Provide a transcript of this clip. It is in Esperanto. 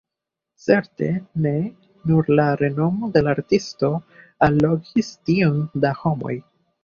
Certe ne nur la renomo de la artisto allogis tiom da homoj.